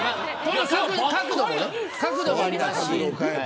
角度もありますしね。